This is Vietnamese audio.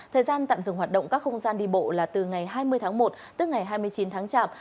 thời gian tạm dừng hoạt động các không gian đi bộ là từ ngày hai mươi tháng một tức ngày hai mươi chín tháng chạp